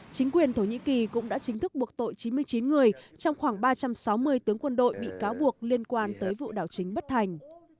chính quyền thổ nhĩ kỳ cũng đã chính thức buộc tội chín mươi chín người trong khoảng ba trăm sáu mươi tướng quân đội bị cáo buộc liên quan tới vụ đảo chính bất thành